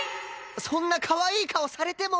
そんなかわいい顔されても。